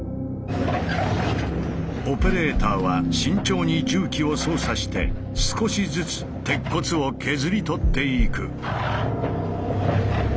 オペレーターは慎重に重機を操作して少しずつ鉄骨を削り取っていく。